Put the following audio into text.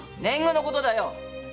年貢のことだよ。